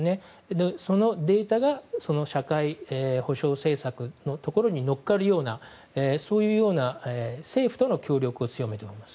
そのデータが社会保障政策のところに乗っかるようなそういう政府との協力を強めています。